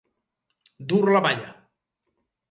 Dur la balla.